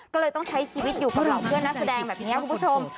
ก็เลยต้องใช้ชีวิตอยู่กับเหล่าเพื่อนนักแสดงแบบนี้คุณผู้ชม